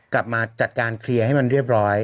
กลับมาจัดการเคลียร์ให้มันเรียบร้อย